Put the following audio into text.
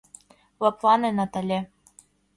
— Лыплане, Натале...